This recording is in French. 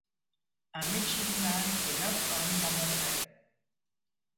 Un midshipman et neuf hommes la montaient.